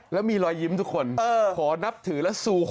แล้วมีรอยยิ้มทุกคนขอนับถือและซูโห